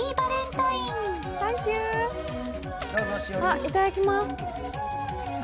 いただきます。